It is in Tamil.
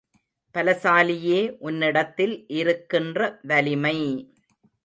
பலசாலியே உன்னிடத்தில் இருக்கின்ற வலிமை!